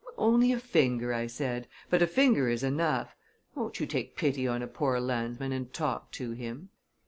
"Only a finger," I said. "But a finger is enough. Won't you take pity on a poor landsman and talk to him?"